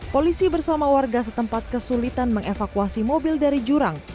polisi bersama warga setempat kesulitan mengevakuasi mobil dari jurang